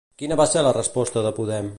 Quina va ser la resposta de Podem?